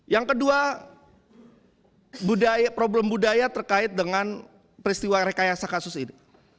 yang kedua problem budaya terkait dengan peristiwa rekayasa kasus ini